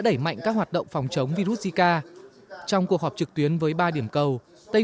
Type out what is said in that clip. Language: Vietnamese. đẩy mạnh các hoạt động phòng chống virus zika trong cuộc họp trực tuyến với ba điểm cầu tây